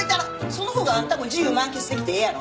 その方があんたも自由満喫できてええやろ。